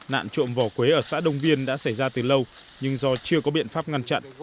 nạn trộm vỏ quế ở xã đông viên đã xảy ra từ lâu nhưng do chưa có biện pháp ngăn chặn